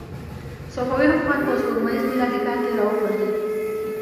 صفوي حکومت په سپوږمیز میلادي کال کې را وپرځېد.